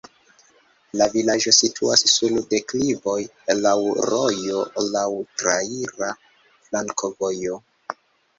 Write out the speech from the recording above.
La vilaĝo situas sur deklivoj, laŭ rojo, laŭ traira flankovojo.